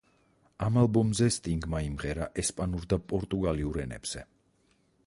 ამ ალბომზე სტინგმა იმღერა ესპანურ და პორტუგალიურ ენებზე.